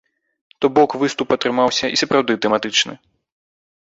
То бок выступ атрымаўся і сапраўды тэматычны.